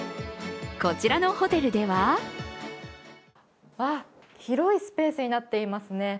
こちらのホテルでは広いスペースになっていますね。